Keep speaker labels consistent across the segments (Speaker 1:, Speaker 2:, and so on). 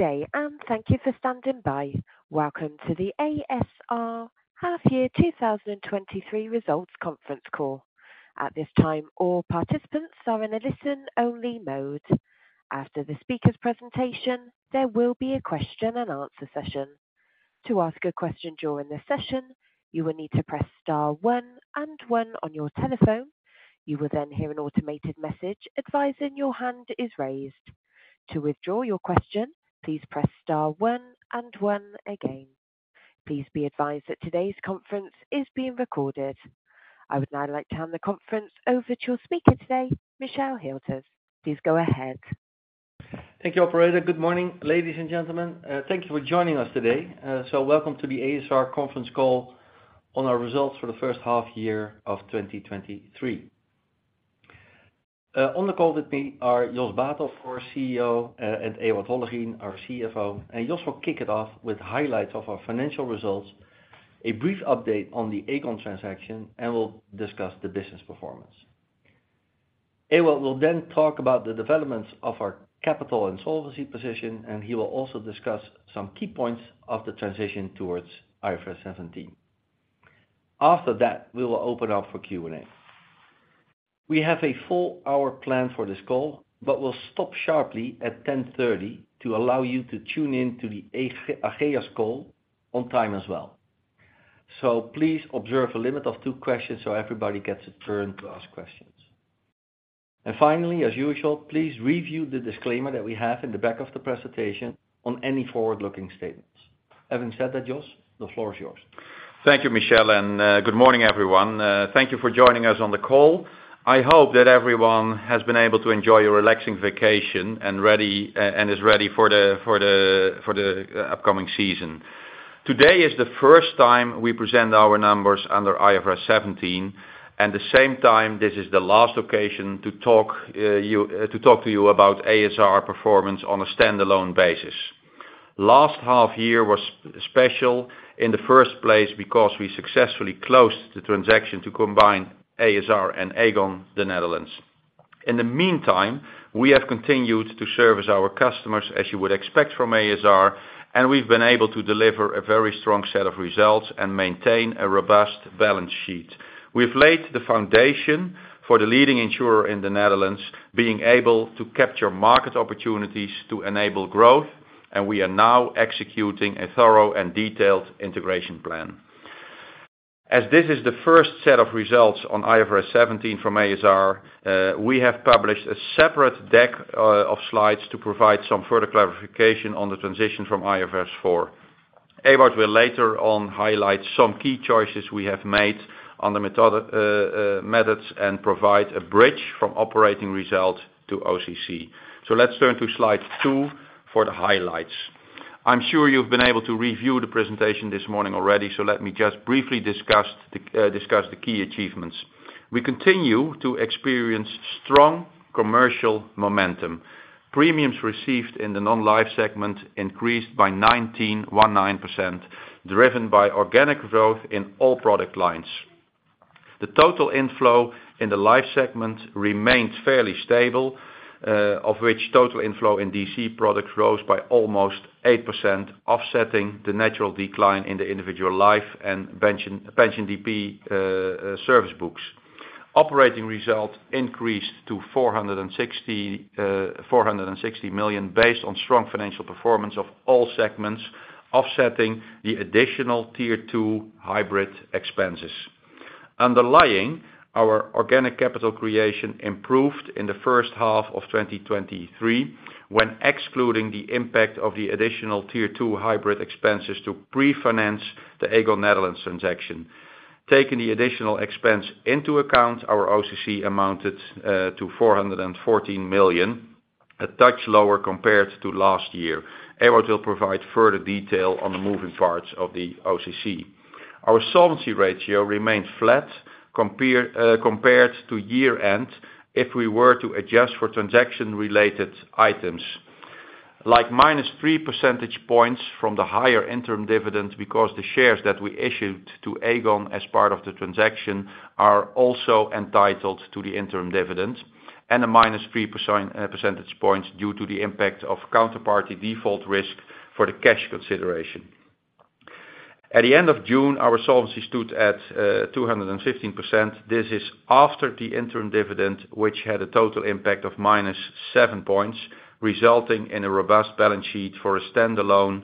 Speaker 1: Good day, and thank you for standing by. Welcome to the ASR Half Year 2023 Results Conference Call. At this time, all participants are in a listen-only mode. After the speaker's presentation, there will be a question and answer session. To ask a question during the session, you will need to press star one and one on your telephone. You will then hear an automated message advising your hand is raised. To withdraw your question, please press star one and one again. Please be advised that today's conference is being recorded. I would now like to hand the conference over to your speaker today, Michel Hülters. Please go ahead.
Speaker 2: Thank you, operator. Good morning, ladies and gentlemen. Thank you for joining us today. Welcome to the ASR conference call on our results for the first half year of 2023. On the call with me are Jos Baeten, our CEO, and Ewout Hollegien, our CFO, and Jos will kick it off with highlights of our financial results, a brief update on the Aegon transaction, and we'll discuss the business performance. Ewout will then talk about the developments of our capital and solvency position, and he will also discuss some key points of the transition towards IFRS 17. After that, we will open up for Q&A. We have a full hour plan for this call, but we'll stop sharply at 10:30 A.M. to allow you to tune in to the Ageas call on time as well. Please observe a limit of two questions so everybody gets a turn to ask questions. Finally, as usual, please review the disclaimer that we have in the back of the presentation on any forward-looking statements. Having said that, Jos, the floor is yours.
Speaker 3: Thank you, Michel, and good morning, everyone. Thank you for joining us on the call. I hope that everyone has been able to enjoy a relaxing vacation and is ready for the upcoming season. Today is the first time we present our numbers under IFRS 17, and the same time, this is the last occasion to talk to you about ASR performance on a standalone basis. Last half year was special in the first place because we successfully closed the transaction to combine ASR and Aegon the Netherlands. In the meantime, we have continued to service our customers, as you would expect from ASR, and we've been able to deliver a very strong set of results and maintain a robust balance sheet. We've laid the foundation for the leading insurer in the Netherlands, being able to capture market opportunities to enable growth, and we are now executing a thorough and detailed integration plan. As this is the first set of results on IFRS 17 from ASR, we have published a separate deck of slides to provide some further clarification on the transition from IFRS 4. Ewout will later on highlight some key choices we have made on the methods and provide a bridge from operating results to OCC. Let's turn to slide two for the highlights. I'm sure you've been able to review the presentation this morning already, so let me just briefly discuss the key achievements. We continue to experience strong commercial momentum. Premiums received in the non-life segment increased by 19.19%, driven by organic growth in all product lines. The total inflow in the life segment remained fairly stable, of which total inflow in DC products rose by almost 8%, offsetting the natural decline in the individual life and pension DB service books. Operating results increased to 460 million, based on strong financial performance of all segments, offsetting the additional Tier 2 hybrid expenses. Underlying our Organic Capital Creation improved in the first half of 2023, when excluding the impact of the additional Tier 2 hybrid expenses to pre-finance the Aegon Netherlands transaction. Taking the additional expense into account, our OCC amounted to 414 million, a touch lower compared to last year. Ewout will provide further detail on the moving parts of the OCC. Our solvency ratio remained flat, compared to year-end, if we were to adjust for transaction-related items. Like minus three percentage points from the higher interim dividend, because the shares that we issued to Aegon as part of the transaction are also entitled to the interim dividend, and a minus three percentage points due to the impact of counterparty default risk for the cash consideration. At the end of June, our solvency stood at 215%. This is after the interim dividend, which had a total impact of minus seven points, resulting in a robust balance sheet for a standalone,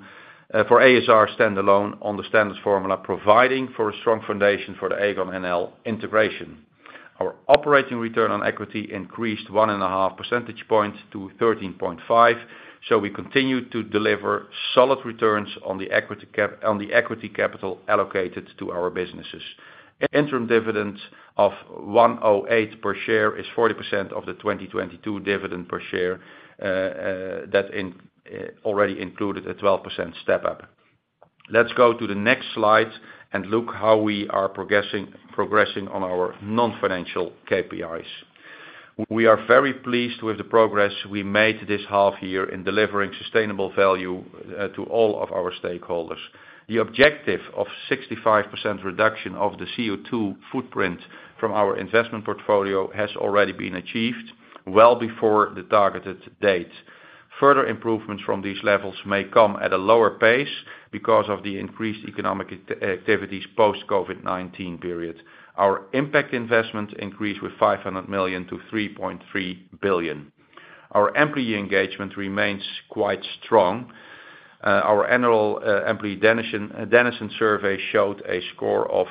Speaker 3: for ASR standalone on the Standard Formula, providing for a strong foundation for the Aegon Nederland integration. Our operating return on equity increased 1.5 percentage point to 13.5, so we continued to deliver solid returns on the equity capital allocated to our businesses. Interim dividend of 1.08 per share is 40% of the 2022 dividend per share, that already included a 12% step-up. Let's go to the next slide and look how we are progressing on our non-financial KPIs. We are very pleased with the progress we made this half year in delivering sustainable value to all of our stakeholders. The objective of 65% reduction of the CO2 footprint from our investment portfolio has already been achieved well before the targeted date. Further improvements from these levels may come at a lower pace because of the increased economic activities post COVID-19 period. Our impact investment increased with 500 million to 3.3 billion. Our employee engagement remains quite strong. Our annual employee Denison Survey showed a score of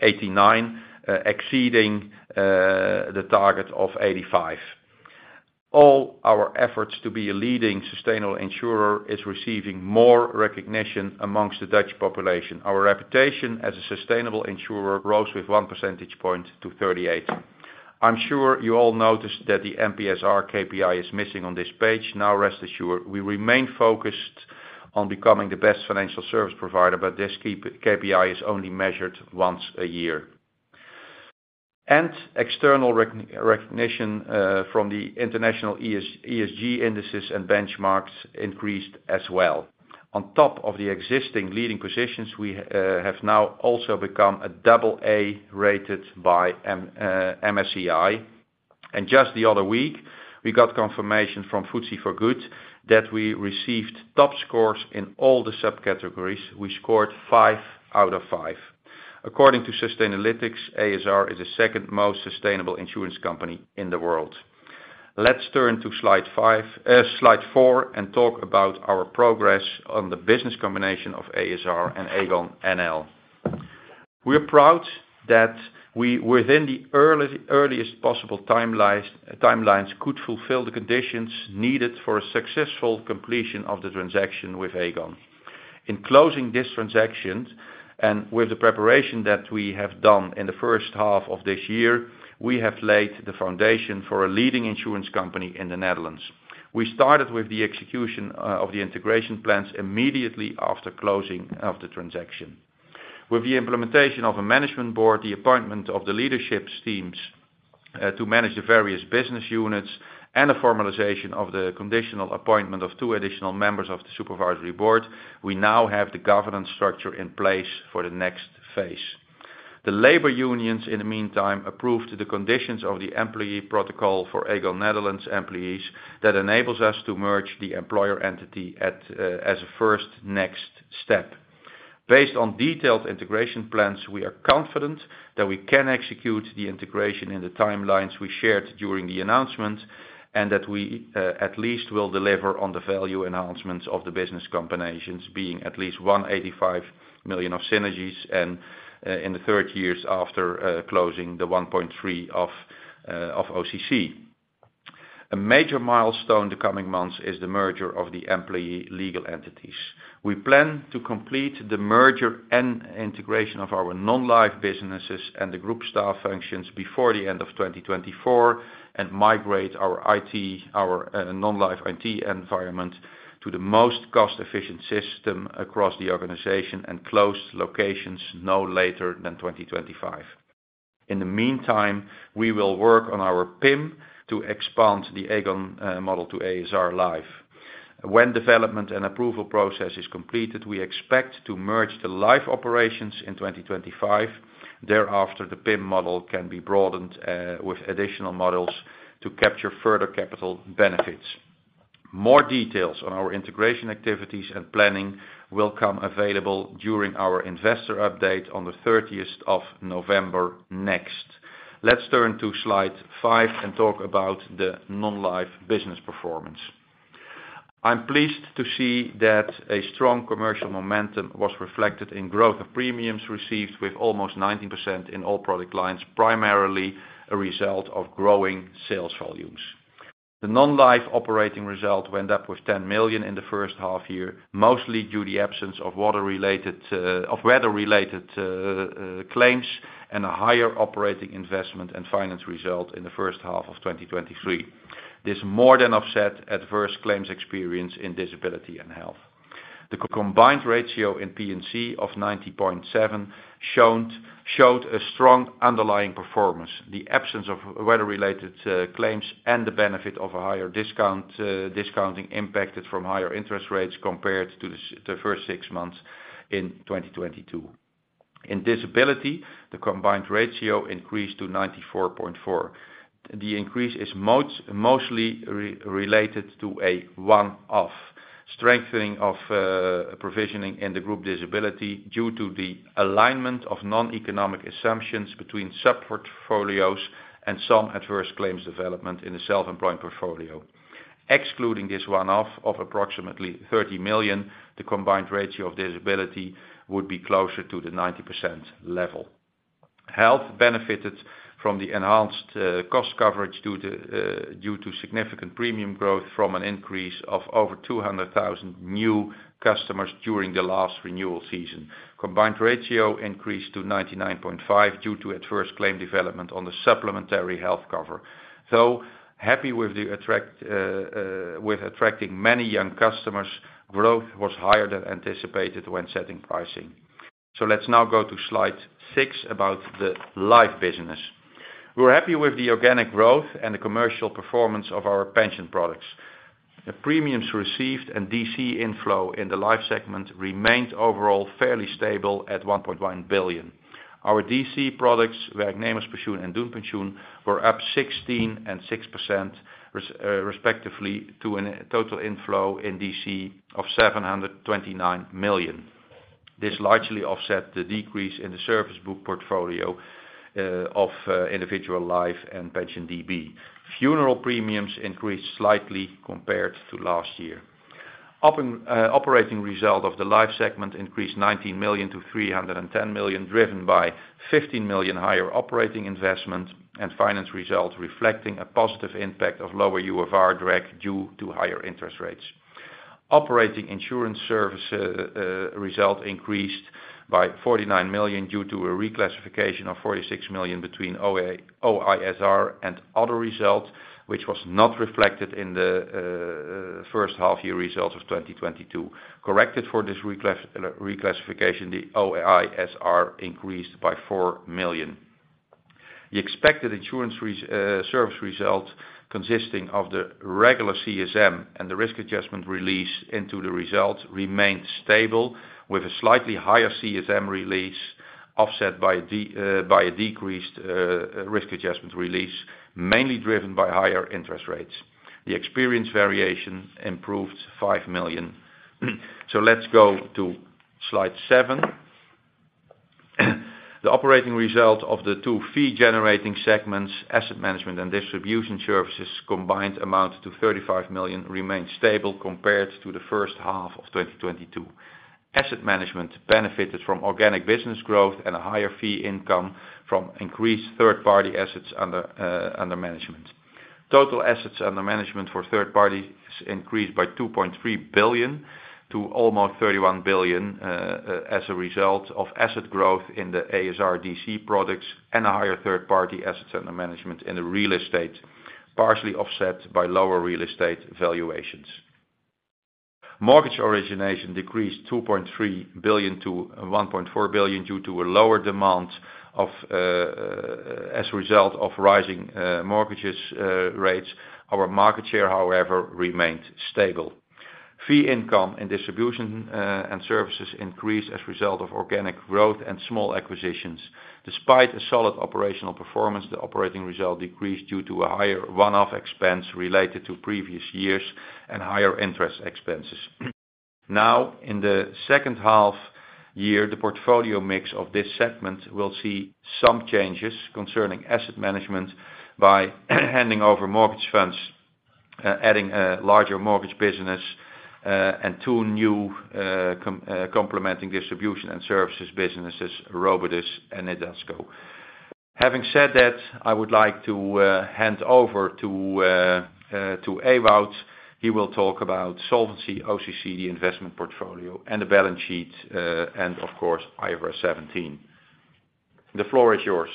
Speaker 3: 89, exceeding the target of 85. All our efforts to be a leading sustainable insurer is receiving more recognition among the Dutch population. Our reputation as a sustainable insurer rose with one percentage point to 38. I'm sure you all noticed that the NPS-r KPI is missing on this page. Now, rest assured, we remain focused on becoming the best financial service provider, but this KPI is only measured once a year. External recognition from the international ESG indices and benchmarks increased as well. On top of the existing leading positions, we have now also become a double A rated by MSCI. Just the other week, we got confirmation from FTSE4Good that we received top scores in all the subcategories. We scored five out of five. According to Sustainalytics, ASR is the second most sustainable insurance company in the world. Let's turn to slide five, slide four, and talk about our progress on the business combination of ASR and Aegon NL. We are proud that we, within the earliest possible timelines, could fulfill the conditions needed for a successful completion of the transaction with Aegon. In closing this transaction, and with the preparation that we have done in the first half of this year, we have laid the foundation for a leading insurance company in the Netherlands. We started with the execution of the integration plans immediately after closing of the transaction. With the implementation of a management board, the appointment of the leadership teams, to manage the various business units, and a formalization of the conditional appointment of two additional members of the supervisory board, we now have the governance structure in place for the next phase. The labor unions, in the meantime, approved the conditions of the employee protocol for Aegon Nederland employees, that enables us to merge the employer entity at, as a first next step. Based on detailed integration plans, we are confident that we can execute the integration in the timelines we shared during the announcement, and that we, at least will deliver on the value announcements of the business combinations, being at least 185 million of synergies, and, in the third years after, closing the 1.3 billion of OCC. A major milestone in the coming months is the merger of the employee legal entities. We plan to complete the merger and integration of our non-life businesses and the group staff functions before the end of 2024, and migrate our IT, our non-life IT environment to the most cost-efficient system across the organization and close locations no later than 2025. In the meantime, we will work on our PIM to expand the Aegon model to ASR Life. When development and approval process is completed, we expect to merge the live operations in 2025. Thereafter, the PIM model can be broadened with additional models to capture further capital benefits. More details on our integration activities and planning will come available during our investor update on the thirtieth of November next. Let's turn to slide 5 and talk about the non-life business performance. I'm pleased to see that a strong commercial momentum was reflected in growth of premiums received with almost 19% in all product lines, primarily a result of growing sales volumes. The non-life operating result went up with 10 million in the first half year, mostly due to the absence of weather-related claims, and a higher Operating Investment and Finance Result in the first half of 2023. This more than offset adverse claims experience in disability and health. The combined ratio in P&C of 90.7 showed a strong underlying performance, the absence of weather-related claims, and the benefit of a higher discounting impacted from higher interest rates compared to the first six months in 2022. In disability, the combined ratio increased to 94.4. The increase is mostly related to a one-off strengthening of provisioning in the group disability due to the alignment of non-economic assumptions between sub-portfolios and some adverse claims development in the self-employed portfolio. Excluding this one-off of approximately 30 million, the combined ratio of disability would be closer to the 90% level. Health benefited from the enhanced cost coverage due to significant premium growth from an increase of over 200,000 new customers during the last renewal season. Combined ratio increased to 99.5% due to adverse claim development on the supplementary health cover. Though happy with attracting many young customers, growth was higher than anticipated when setting pricing. So let's now go to slide 6 about the life business. We're happy with the organic growth and the commercial performance of our pension products. The premiums received and DC inflow in the life segment remained overall fairly stable at 1.1 billion. Our DC products, Werknemers Pensioen and Doenpensioen, were up 16% and 6% respectively, to a total inflow in DC of 729 million. This largely offset the decrease in the service book portfolio of individual life and pension DB. Funeral premiums increased slightly compared to last year. Operating result of the life segment increased 19 million to 310 million, driven by 15 million higher operating investment and finance results, reflecting a positive impact of lower UFR drag due to higher interest rates. Operating Insurance Service Result increased by 49 million due to a reclassification of 46 million between OISR and other results, which was not reflected in the first half year results of 2022. Corrected for this reclassification, the OISR increased by 4 million. The expected insurance service result, consisting of the regular CSM and the risk adjustment release into the results, remained stable, with a slightly higher CSM release, offset by a decreased risk adjustment release, mainly driven by higher interest rates. The experience variation improved 5 million. So let's go to slide 7. The operating result of the two fee-generating segments, asset management and distribution services, combined amount to 35 million, remains stable compared to the first half of 2022. Asset management benefited from organic business growth and a higher fee income from increased third-party assets under management. Total assets under management for third parties increased by 2.3 billion to almost 31 billion as a result of asset growth in the ASR DC products and a higher third-party assets under management in the real estate, partially offset by lower real estate valuations. Mortgage origination decreased 2.3 billion to 1.4 billion due to a lower demand of as a result of rising mortgage rates. Our market share, however, remained stable. Fee income and distribution and services increased as a result of organic growth and small acquisitions. Despite a solid operational performance, the operating result decreased due to a higher one-off expense related to previous years and higher interest expenses. Now, in the second half year, the portfolio mix of this segment will see some changes concerning asset management by handing over mortgage funds, adding a larger mortgage business, and two new complementing distribution and services businesses, Robidus and Nedasco. Having said that, I would like to hand over to Ewout. He will talk about solvency, OCC, the investment portfolio, and the balance sheet, and of course, IFRS 17. The floor is yours.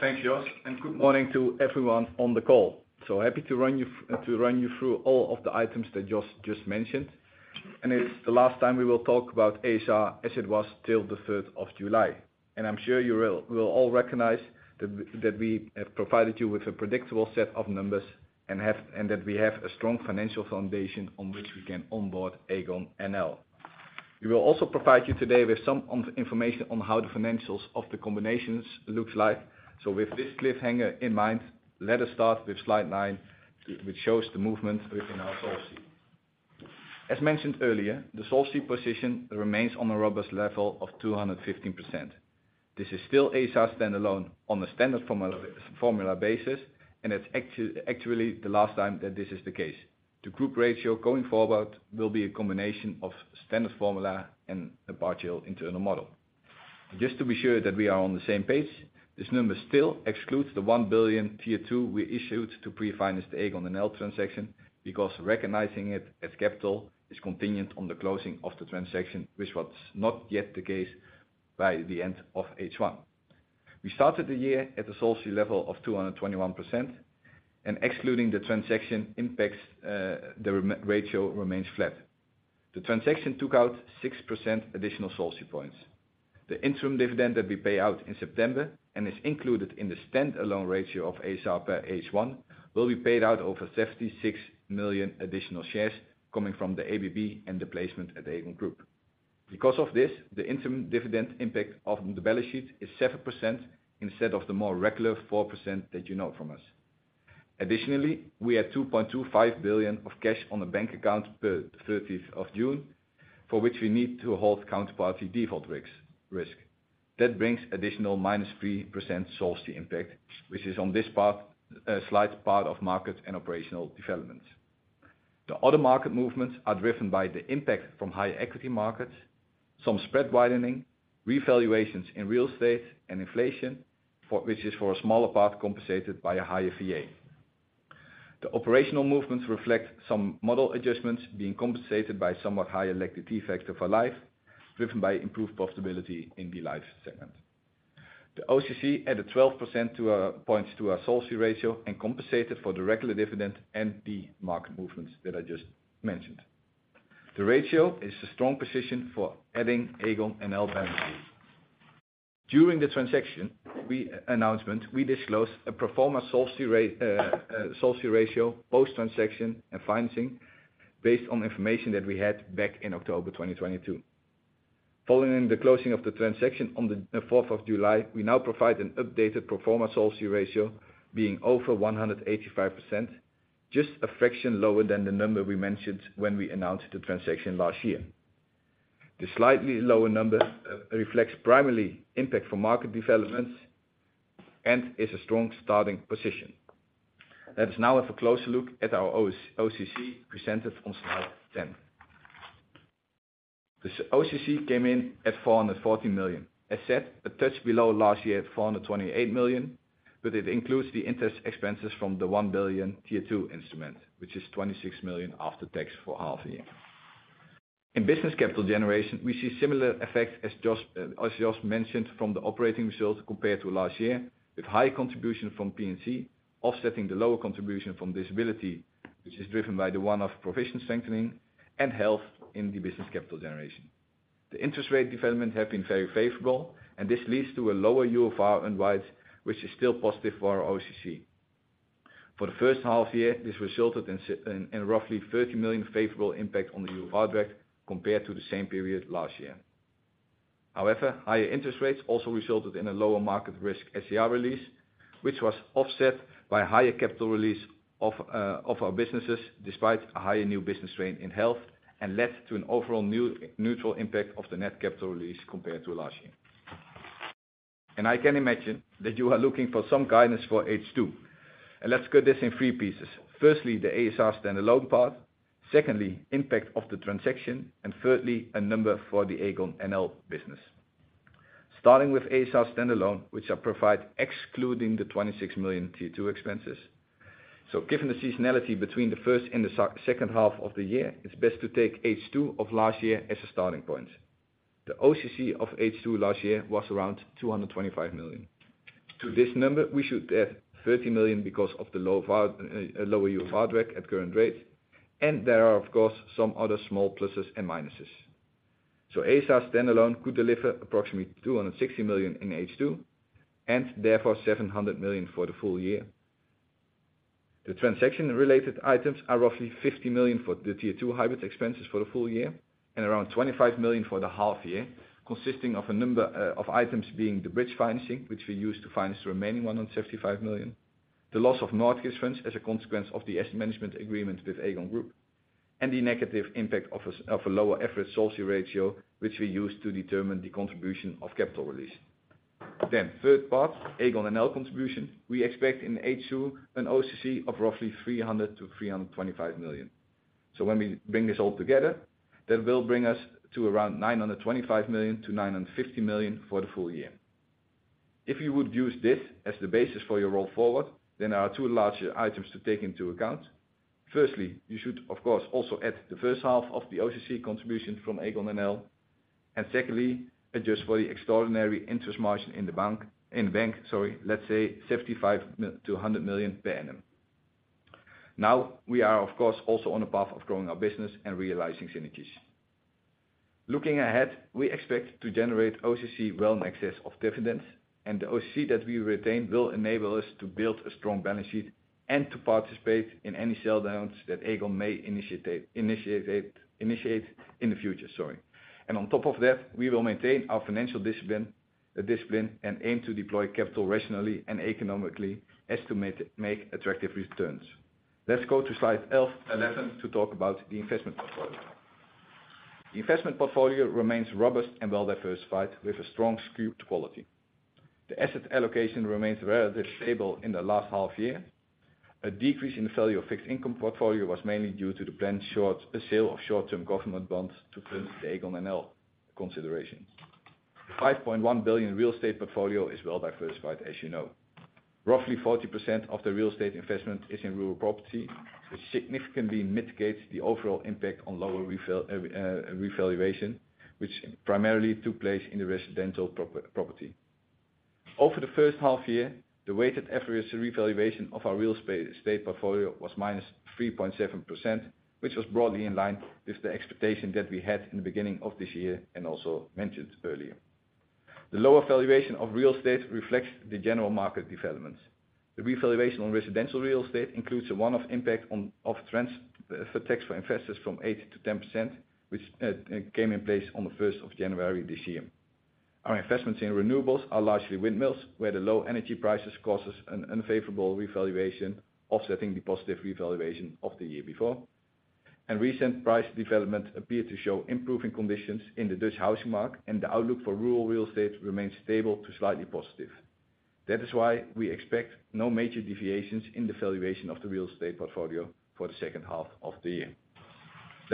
Speaker 4: Thank you, Jos, and good morning to everyone on the call. So happy to run you through all of the items that Jos just mentioned. And it's the last time we will talk about ASR as it was till the third of July. And I'm sure you will, we'll all recognize that we have provided you with a predictable set of numbers and that we have a strong financial foundation on which we can onboard Aegon NL. We will also provide you today with some information on how the financials of the combinations looks like. So with this cliffhanger in mind, let us start with slide nine, which shows the movement within our solvency. As mentioned earlier, the solvency position remains on a robust level of 215%. This is still ASR standalone on a standard formula, formula basis, and it's actually the last time that this is the case. The group ratio going forward will be a combination of standard formula and a Partial Internal Model. Just to be sure that we are on the same page, this number still excludes the 1 billion Tier 2 we issued to pre-finance the Aegon NL transaction, because recognizing it as capital is contingent on the closing of the transaction, which was not yet the case by the end of H1. We started the year at a solvency level of 221%, and excluding the transaction impacts, the ratio remains flat. The transaction took out 6% additional solvency points. The interim dividend that we pay out in September, and is included in the standalone ratio of ASR per H1, will be paid out over 76 million additional shares coming from the ABB and the placement at the Aegon Group. Because of this, the interim dividend impact on the balance sheet is 7%, instead of the more regular 4% that you know from us. Additionally, we had 2.25 billion of cash on the bank account per 30th of June, for which we need to hold counterparty default risk. That brings additional -3% solvency impact, which is on this part, a slight part of market and operational developments. The other market movements are driven by the impact from higher equity markets, some spread widening, revaluations in real estate and inflation, for which is for a smaller part compensated by a higher VA. The operational movements reflect some model adjustments being compensated by somewhat higher elected effects of our life, driven by improved profitability in the life segment. The OCC added 12 points to our solvency ratio and compensated for the regular dividend and the market movements that I just mentioned. The ratio is a strong position for adding Aegon NL balance sheet. During the transaction announcement, we disclosed a pro forma solvency ratio, post-transaction and financing, based on information that we had back in October 2022. Following the closing of the transaction on the fourth of July, we now provide an updated pro forma solvency ratio being over 185%, just a fraction lower than the number we mentioned when we announced the transaction last year. The slightly lower number reflects primarily impact from market developments and is a strong starting position. Let's now have a closer look at our OCC presented on slide ten. The OCC came in at 440 million. As said, a touch below last year at 428 million, but it includes the interest expenses from the one billion Tier 2 instrument, which is 26 million after tax for half a year. In business capital generation, we see similar effects as just mentioned from the operating results compared to last year, with high contribution from P&C, offsetting the lower contribution from disability, which is driven by the one-off provision strengthening and health in the business capital generation. The interest rate development have been very favorable, and this leads to a lower UFR impact, which is still positive for our OCC. For the first half year, this resulted in roughly 30 million favorable impact on the UFR drag, compared to the same period last year. However, higher interest rates also resulted in a lower market risk SCR release, which was offset by higher capital release of our businesses, despite a higher new business strain in health, and led to an overall neutral impact of the net capital release compared to last year. I can imagine that you are looking for some guidance for H2, and let's cut this in three pieces. Firstly, the a.s.r. standalone part; secondly, impact of the transaction; and thirdly, a number for the Aegon NL business. Starting with a.s.r. standalone, which I provide excluding the 26 million Tier 2 expenses. So given the seasonality between the first and the second half of the year, it's best to take H2 of last year as a starting point. The OCC of H2 last year was around 225 million. To this number, we should add 30 million because of the lower VA, lower UFR drag at current rate, and there are, of course, some other small pluses and minuses. So a.s.r. standalone could deliver approximately 260 million in H2, and therefore 700 million for the full year. The transaction-related items are roughly 50 million for the Tier 2 hybrid expenses for the full year and around 25 million for the half year, consisting of a number of items being the bridge financing, which we use to finance the remaining 175 million, the loss of mortgage funds as a consequence of the asset management agreement with Aegon Group, and the negative impact of a lower effective Solvency ratio, which we use to determine the contribution of capital release. Then third part, Aegon NL contribution. We expect in H2 an OCC of roughly 300 million-325 million. So when we bring this all together, that will bring us to around 925 million-950 million for the full year. If you would use this as the basis for your roll forward, then there are two larger items to take into account. Firstly, you should, of course, also add the first half of the OCC contribution from Aegon NL, and secondly, adjust for the extraordinary interest margin in the bank, sorry, let's say 75 million to 100 million p.a. Now, we are, of course, also on a path of growing our business and realizing synergies. Looking ahead, we expect to generate OCC well in excess of dividends, and the OCC that we retain will enable us to build a strong balance sheet and to participate in any sell downs that Aegon may initiate in the future, sorry. And on top of that, we will maintain our financial discipline, discipline, and aim to deploy capital rationally and economically as to make attractive returns. Let's go to slide eleven to talk about the investment portfolio. The investment portfolio remains robust and well-diversified, with a strong skew to quality. The asset allocation remains relatively stable in the last half year. A decrease in the value of fixed income portfolio was mainly due to the planned short sale of short-term government bonds to fund the Aegon NL consideration. The 5.1 billion real estate portfolio is well-diversified, as you know. Roughly 40% of the real estate investment is in rural property, which significantly mitigates the overall impact on lower revaluation, which primarily took place in the residential property. Over the first half year, the weighted average revaluation of our real estate portfolio was -3.7%, which was broadly in line with the expectation that we had in the beginning of this year, and also mentioned earlier. The lower valuation of real estate reflects the general market developments. The revaluation on residential real estate includes a one-off impact on, of transfer tax for investors from 8%-10%, which came in place on the first of January this year. Our investments in renewables are largely windmills, where the low energy prices cause us an unfavorable revaluation, offsetting the positive revaluation of the year before. And recent price developments appear to show improving conditions in the Dutch housing market, and the outlook for rural real estate remains stable to slightly positive. That is why we expect no major deviations in the valuation of the real estate portfolio for the second half of the year.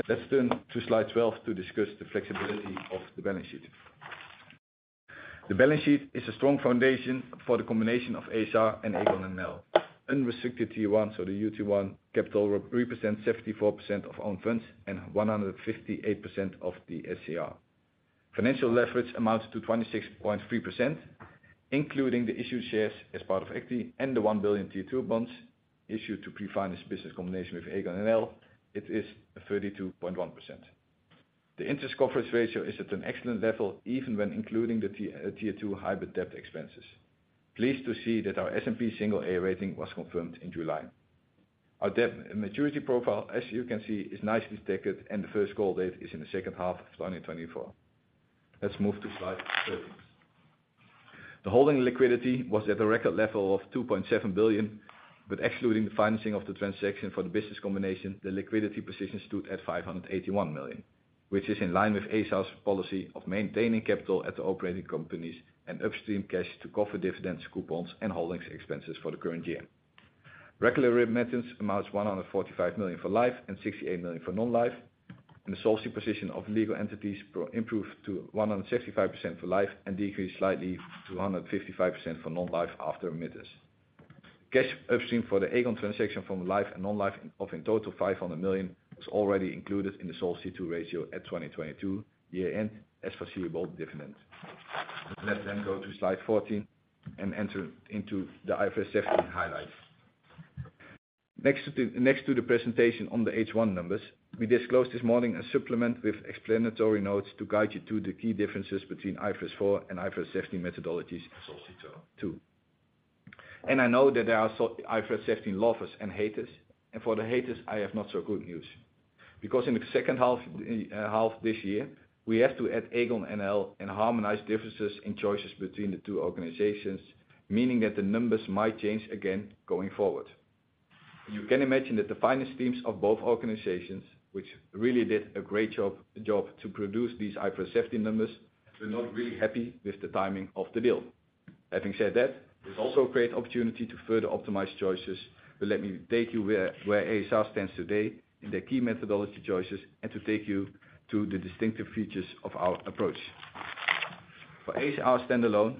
Speaker 4: Let's turn to slide 12 to discuss the flexibility of the balance sheet. The balance sheet is a strong foundation for the combination of a.s.r. and Aegon NL. Unrestricted Tier 1, so the UT1 capital represents 74% of own funds and 158% of the SCR. Financial leverage amounts to 26.3%, including the issued shares as part of equity and the 1 billion Tier 2 bonds issued to pre-finance business combination with Aegon NL, it is 32.1%. The interest coverage ratio is at an excellent level, even when including the Tier 2 hybrid debt expenses. Pleased to see that our S&P single A rating was confirmed in July. Our debt and maturity profile, as you can see, is nicely stacked, and the first call date is in the second half of 2024. Let's move to slide 13. The holding liquidity was at a record level of 2.7 billion, but excluding the financing of the transaction for the business combination, the liquidity position stood at 581 million, which is in line with a.s.r.'s policy of maintaining capital at the operating companies and upstream cash to cover dividends, coupons, and holdings expenses for the current year. Regular remittances amounts 145 million for life and 68 million for non-life, and the solvency position of legal entities improved to 165% for life and decreased slightly to 155% for non-life after remittances. Cash upstream for the Aegon transaction from life and non-life of in total 500 million was already included in the Solvency II ratio at 2022 year-end, as foreseeable dividends. Let's then go to slide 14 and enter into the IFRS 17 highlights. Next to the presentation on the H1 numbers, we disclosed this morning a supplement with explanatory notes to guide you to the key differences between IFRS 4 and IFRS 17 methodologies, Solvency II. I know that there are so IFRS 17 lovers and haters, and for the haters, I have not so good news. Because in the second half this year, we have to add Aegon NL and harmonize differences in choices between the two organizations, meaning that the numbers might change again going forward. You can imagine that the finance teams of both organizations, which really did a great job to produce these IFRS 17 numbers, were not really happy with the timing of the deal. Having said that, it's also a great opportunity to further optimize choices, but let me take you where a.s.r. stands today in their key methodology choices and to take you to the distinctive features of our approach. For a.s.r. standalone,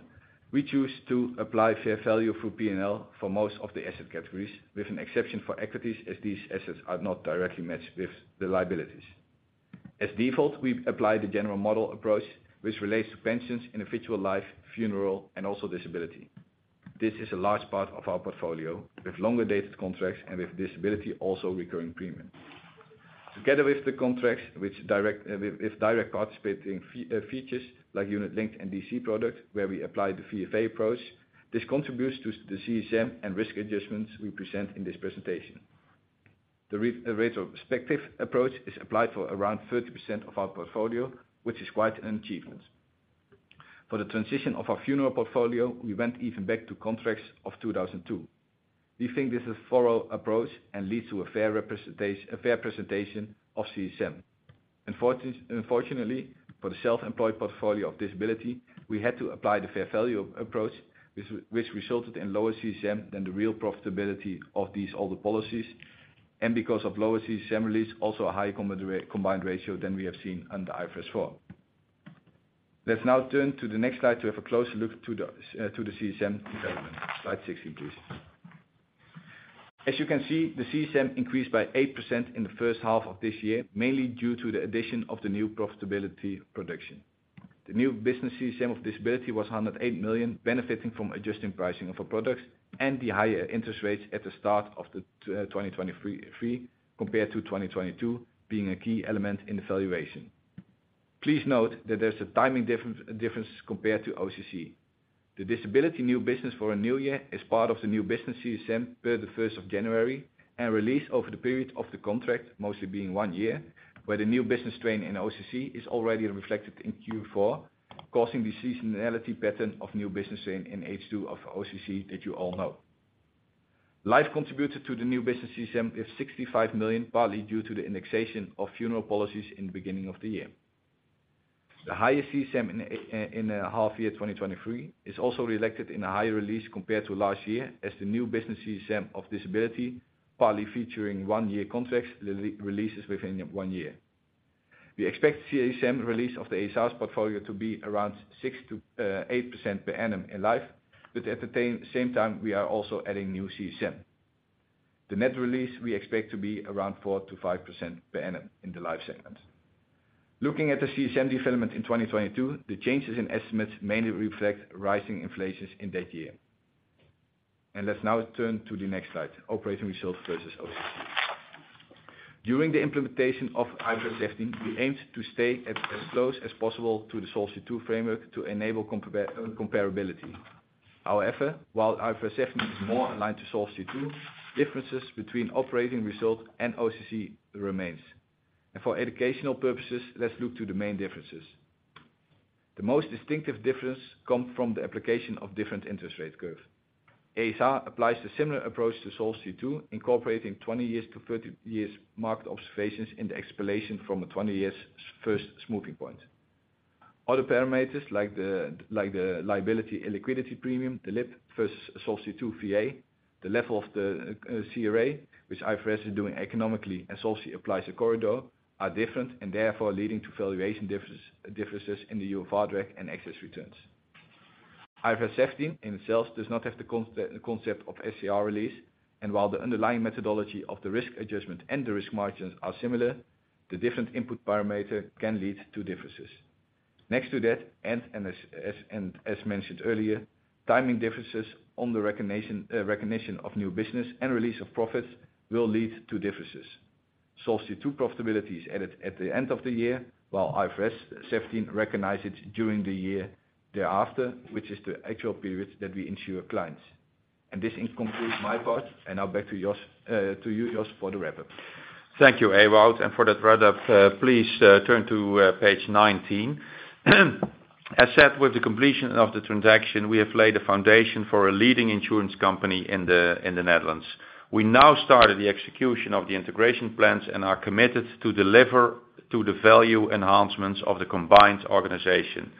Speaker 4: we choose to apply fair value through P&L for most of the asset categories, with an exception for equities, as these assets are not directly matched with the liabilities. As default, we've applied the general model approach, which relates to pensions, individual life, funeral, and also disability. This is a large part of our portfolio, with longer-dated contracts and with disability, also recurring premiums. Together with the contracts, which have direct participating features like unit-linked and DC products, where we apply the VFA approach, this contributes to the CSM and risk adjustments we present in this presentation. The retrospective approach is applied for around 30% of our portfolio, which is quite an achievement. For the transition of our funeral portfolio, we went even back to contracts of 2002. We think this is a thorough approach and leads to a fair presentation of CSM. Unfortunately, for the self-employed portfolio of disability, we had to apply the fair value approach, which resulted in lower CSM than the real profitability of these older policies, and because of lower CSM release, also a higher combined ratio than we have seen under IFRS four. Let's now turn to the next slide to have a closer look to the to the CSM development. Slide 16, please. As you can see, the CSM increased by 8% in the first half of this year, mainly due to the addition of the new profitability production. The new business CSM of disability was 108 million, benefiting from adjusting pricing of our products and the higher interest rates at the start of 2023, compared to 2022, being a key element in the valuation. Please note that there's a timing difference compared to OCC. The disability new business for a new year is part of the new business CSM per the first of January, and released over the period of the contract, mostly being one year, where the new business strain in OCC is already reflected in Q4, causing the seasonality pattern of new business strain in H2 of OCC that you all know. Life contributed to the new business CSM of 65 million, partly due to the indexation of funeral policies in the beginning of the year. The highest CSM in a half year, 2023, is also reflected in a higher release compared to last year, as the new business CSM of disability, partly featuring one-year contracts, releases within one year. We expect CSM release of the Aegon's portfolio to be around 6%-8% per annum in life, but at the same time, we are also adding new CSM. The net release we expect to be around 4%-5% per annum in the life segment. Looking at the CSM development in 2022, the changes in estimates mainly reflect rising inflation in that year. Let's now turn to the next slide, operating results versus OCC. During the implementation of IFRS 17, we aimed to stay as close as possible to the Solvency II framework to enable comparability. However, while IFRS 17 is more aligned to Solvency II, differences between operating results and OCC remain. For educational purposes, let's look to the main differences. The most distinctive difference comes from the application of different interest rate curve. ASR applies a similar approach to Solvency II, incorporating 20-30 years market observations in the explanation from a 20-year smoothing first point. Other parameters, like the liability and liquidity premium, the LIP versus Solvency II VA, the level of the CRA, which IFRS 17 is doing economically and Solvency applies a corridor, are different and therefore leading to valuation difference, differences in the UFR drag and excess returns. IFRS 17 in itself does not have the concept of SCR release, and while the underlying methodology of the risk adjustment and the risk margins are similar, the different input parameter can lead to differences. Next to that, and as mentioned earlier, timing differences on the recognition, recognition of new business and release of profits will lead to differences. Solvency II profitability is added at the end of the year, while IFRS 17 recognize it during the year thereafter, which is the actual period that we insure clients. This concludes my part, and now back to Jos, to you, Jos, for the wrap-up.
Speaker 3: Thank you, Ewout, and for that wrap-up, please turn to page 19. As said, with the completion of the transaction, we have laid a foundation for a leading insurance company in the Netherlands. We now started the execution of the integration plans and are committed to deliver to the value enhancements of the combined organization.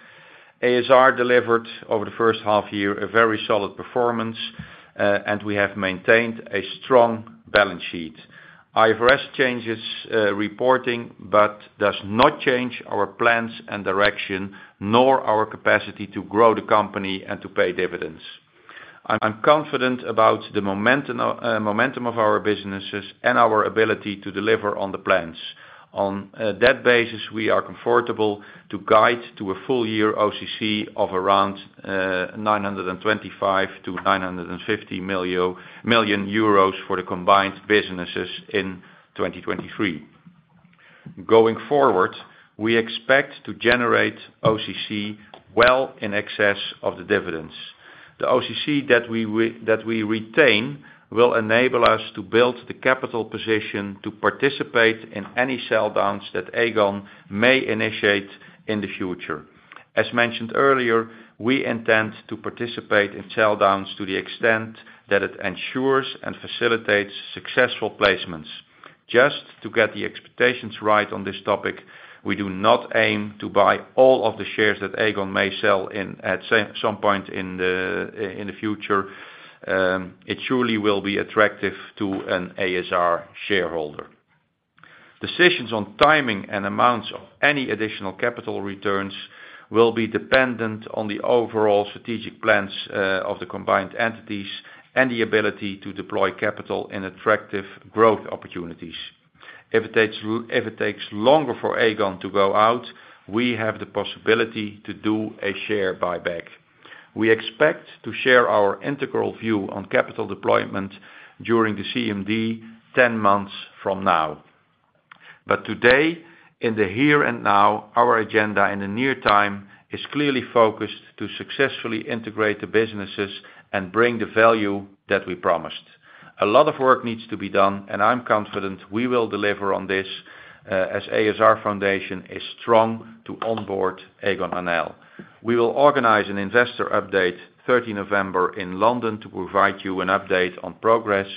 Speaker 3: ASR delivered over the first half year a very solid performance, and we have maintained a strong balance sheet. IFRS changes reporting, but does not change our plans and direction, nor our capacity to grow the company and to pay dividends. I'm confident about the momentum of our businesses and our ability to deliver on the plans. On that basis, we are comfortable to guide to a full year OCC of around 925 million-950 million euros for the combined businesses in 2023. Going forward, we expect to generate OCC well in excess of the dividends. The OCC that we retain will enable us to build the capital position to participate in any sell downs that Aegon may initiate in the future. As mentioned earlier, we intend to participate in sell downs to the extent that it ensures and facilitates successful placements. Just to get the expectations right on this topic, we do not aim to buy all of the shares that Aegon may sell in at some point in the future. It surely will be attractive to an ASR shareholder. Decisions on timing and amounts of any additional capital returns will be dependent on the overall strategic plans of the combined entities and the ability to deploy capital in attractive growth opportunities. If it takes longer for Aegon to go out, we have the possibility to do a share buyback. We expect to share our integral view on capital deployment during the CMD, ten months from now. But today, in the here and now, our agenda in the near time is clearly focused to successfully integrate the businesses and bring the value that we promised. A lot of work needs to be done, and I'm confident we will deliver on this, as ASR foundation is strong to onboard Aegon NL. We will organize an investor update, 13 November in London, to provide you an update on progress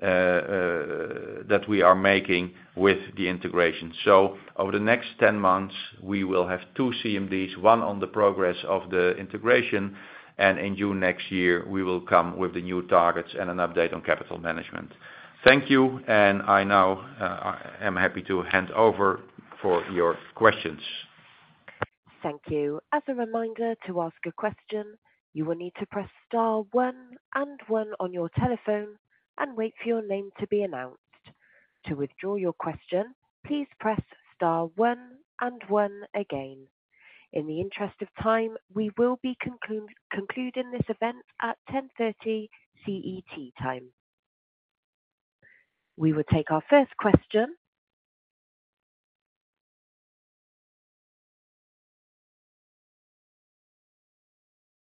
Speaker 3: that we are making with the integration. So over the next 10 months, we will have two CMDs, one on the progress of the integration, and in June next year, we will come with the new targets and an update on capital management. Thank you, and I now, I am happy to hand over for your questions.
Speaker 1: Thank you. As a reminder, to ask a question, you will need to press star one and one on your telephone and wait for your name to be announced. To withdraw your question, please press star one and one again. In the interest of time, we will be concluding this event at 10:30 CET time. We will take our first question.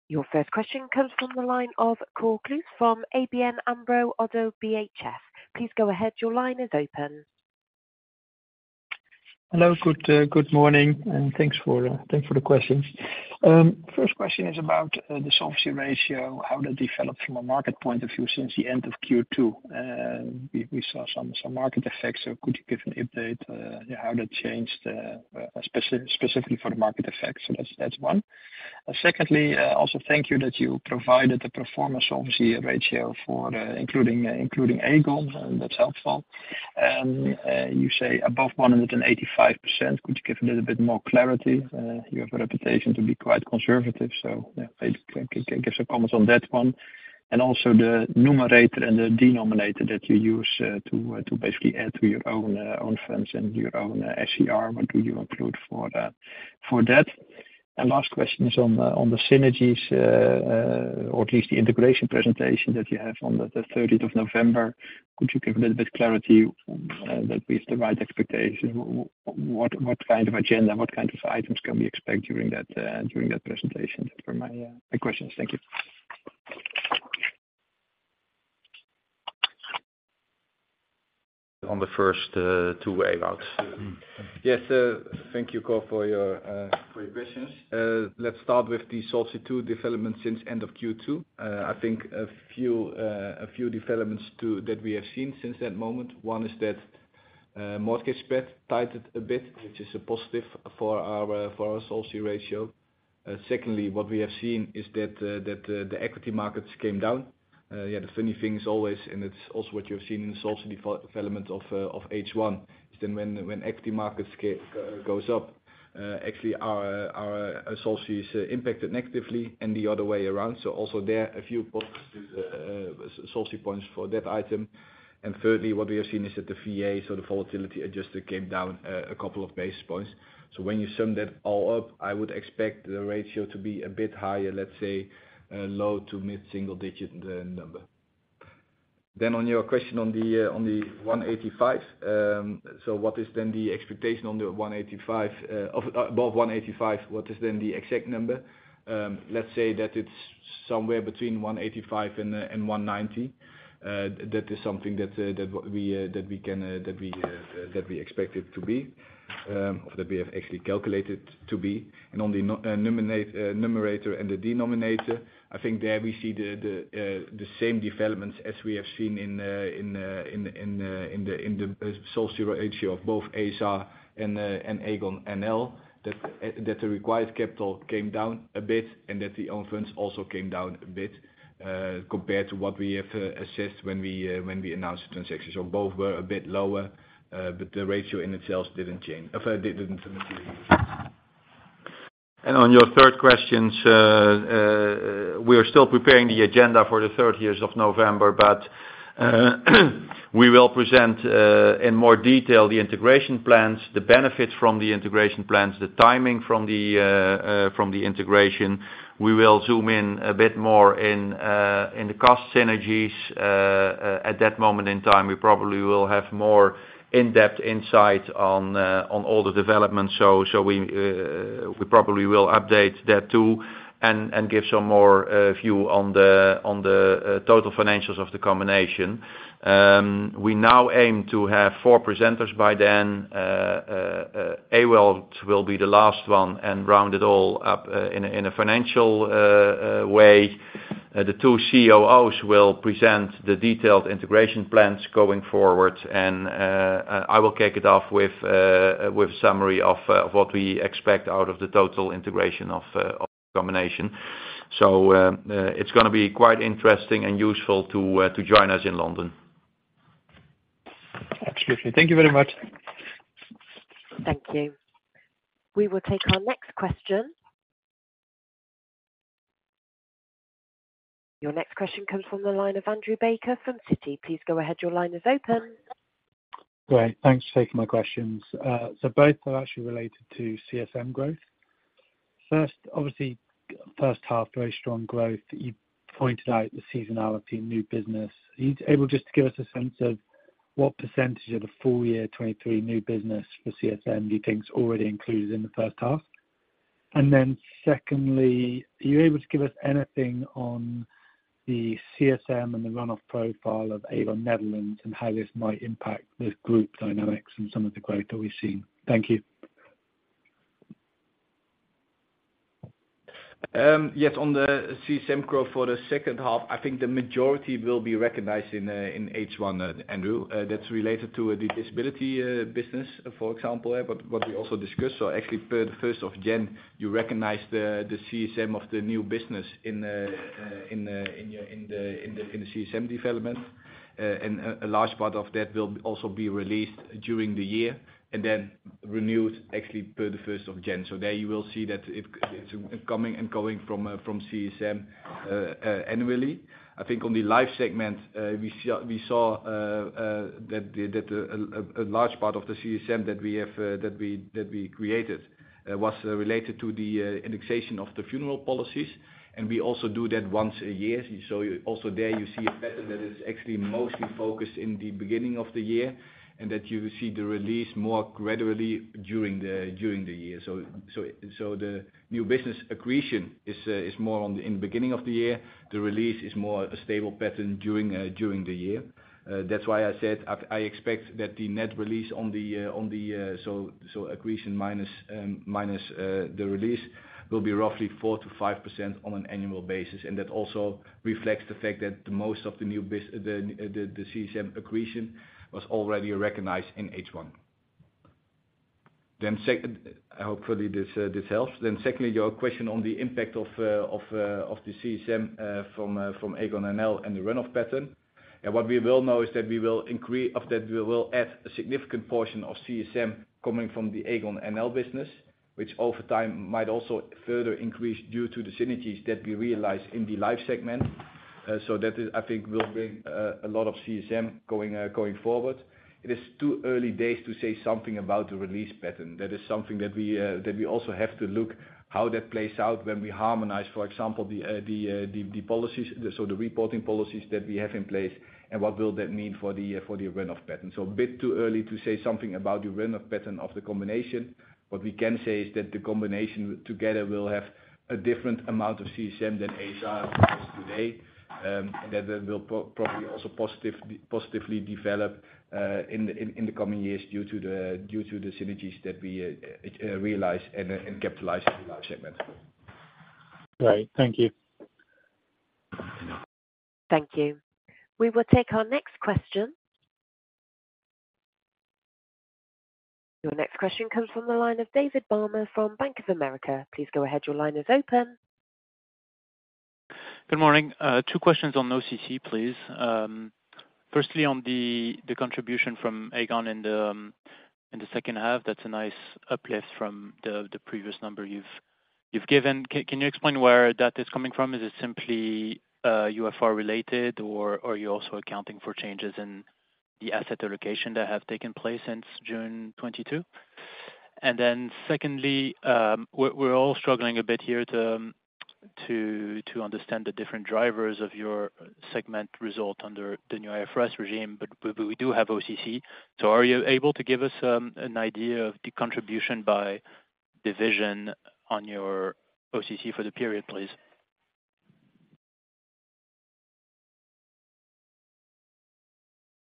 Speaker 1: Your first question comes from the line of Cor Kluis from ABN AMRO Oddo BHF. Please go ahead. Your line is open.
Speaker 5: Hello, good morning, and thanks for the questions. First question is about the solvency ratio, how that developed from a market point of view since the end of Q2. We saw some market effects, so could you give an update how that changed, specifically for the market effects? So that's one. Secondly, also thank you that you provided the performance solvency ratio for including Aegon, and that's helpful. You say above 185%. Could you give a little bit more clarity? You have a reputation to be quite conservative, so yeah, please give some comments on that one. And also the numerator and the denominator that you use to basically add to your own firms and your own SCR. What do you include for that, for that? And last question is on the synergies, or at least the integration presentation that you have on the thirteenth of November. Could you give a little bit clarity that we have the right expectation? What kind of agenda, what kind of items can we expect during that presentation? For my questions. Thank you.
Speaker 3: On the first two waves.
Speaker 4: Yes, thank you, Cor, for your questions. Let's start with the Solvency II development since end of Q2. I think a few developments that we have seen since that moment. One is that mortgage spread tightened a bit, which is a positive for our solvency ratio. Secondly, what we have seen is that the equity markets came down. Yeah, the funny thing is always, and it's also what you've seen in the solvency development of H1, is then when equity markets go up, actually our solvency is impacted negatively and the other way around. So also there, a few points, solvency points for that item. And thirdly, what we have seen is that the VA, so the volatility adjustment came down, a couple of basis points. So when you sum that all up, I would expect the ratio to be a bit higher, let's say, low to mid-single digit number. Then on your question on the, on the 185, so what is then the expectation on the 185, of, above 185, what is then the exact number? Let's say that it's somewhere between 185 and, and 190. That is something that, that we, that we can, that we, that we expect it to be, or that we have actually calculated to be. And on the nominal numerator and the denominator, I think there we see the same developments as we have seen in the solvency ratio of both a.s.r. and Aegon NL, that the required capital came down a bit, and that the influence also came down a bit, compared to what we have assessed when we announced the transaction. So both were a bit lower, but the ratio in itself didn't change materially.
Speaker 3: On your third questions, we are still preparing the agenda for the third years of November, but, we will present, in more detail the integration plans, the benefits from the integration plans, the timing from the, from the integration. We will zoom in a bit more in, in the cost synergies. At that moment in time, we probably will have more in-depth insight on, on all the developments. So, so we, we probably will update that too, and, and give some more, view on the, on the, total financials of the combination. We now aim to have four presenters by then. Ewout will be the last one and round it all up, in a, in a financial, way. The two COOs will present the detailed integration plans going forward, and I will kick it off with a summary of what we expect out of the total integration of the combination. So, it's gonna be quite interesting and useful to join us in London.
Speaker 1: Absolutely. Thank you very much. Thank you. We will take our next question. Your next question comes from the line of Andrew Baker from Citi. Please go ahead. Your line is open.
Speaker 6: Great. Thanks for taking my questions. So both are actually related to CSM growth. First, obviously, first half, very strong growth. You pointed out the seasonality, new business. Are you able just to give us a sense of what percentage of the full year 2023 new business for CSM do you think is already included in the first half? And then secondly, are you able to give us anything on the CSM and the run-off profile of Aegon Nederland, and how this might impact the group dynamics and some of the growth that we've seen? Thank you.
Speaker 4: Yes, on the CSM growth for the second half, I think the majority will be recognized in H1, Andrew. That's related to the disability business, for example, but what we also discussed. So actually, per the first of January, you recognize the CSM of the new business in the CSM development. And a large part of that will also be released during the year and then renewed actually per the first of January. So there you will see that it's coming and going from CSM annually. I think on the life segment, we saw that a large part of the CSM that we have that we created was related to the indexation of the funeral policies, and we also do that once a year. So also there you see a pattern that is actually mostly focused in the beginning of the year, and that you see the release more gradually during the year. So the new business accretion is more in the beginning of the year. The release is more a stable pattern during the year. That's why I said I expect that the net release on the accretion minus the release will be roughly 4%-5% on an annual basis. And that also reflects the fact that the CSM accretion was already recognized in H1. Then second... Hopefully, this helps. Then secondly, your question on the impact of the CSM from Aegon NL and the run-off pattern. And what we will know is that we will increase, of that we will add a significant portion of CSM coming from the Aegon NL business, which over time might also further increase due to the synergies that we realize in the life segment. So that, I think, will bring a lot of CSM going forward. It is too early days to say something about the release pattern. That is something that we, that we also have to look how that plays out when we harmonize, for example, the policies, so the reporting policies that we have in place, and what will that mean for the run-off pattern. So a bit too early to say something about the run-off pattern of the combination. What we can say is that the combination together will have a different amount of CSM than ASR has today, and that will probably also positively develop in the coming years due to the synergies that we realize and capitalize in our segment.
Speaker 6: Great. Thank you.
Speaker 1: Thank you. We will take our next question. Your next question comes from the line of David Barma from Bank of America. Please go ahead. Your line is open.
Speaker 3: Good morning. two questions on OCC, please. Firstly, on the contribution from Aegon in the second half, that's a nice uplift from the previous number you've given. Can you explain where that is coming from? Is it simply UFR related, or are you also accounting for changes in the asset allocation that have taken place since June 2022?
Speaker 7: ...And then secondly, we're all struggling a bit here to understand the different drivers of your segment result under the new IFRS regime, but we do have OCC. So are you able to give us an idea of the contribution by division on your OCC for the period, please?